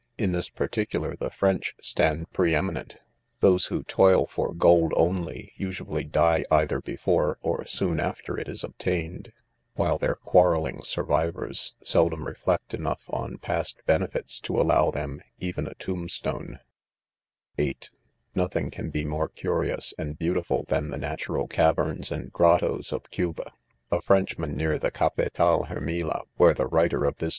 In' this particular the French stand pre eminent. Those who toil for gold mty 3 usually die either before or soon after it is obtained ; while their quarrelling survivors seldom reflect enough on past bene fits, to allow them even a tombstmc* (8) Nothing can be more curious and beautiful, than the natural caverns and grottos of Cuba. A Frenchman, near the "Cafetal Heftmla," (where the writer of this / NOTES.